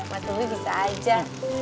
mas dulu bisa aja